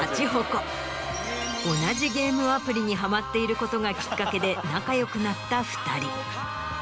同じゲームアプリにハマっていることがきっかけで仲よくなった２人。